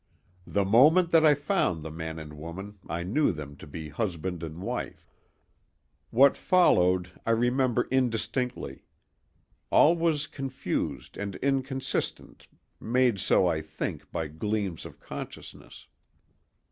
The moment that I found the man and woman I knew them to be husband and wife. What followed, I remember indistinctly; all was confused and inconsistent—made so, I think, by gleams of consciousness.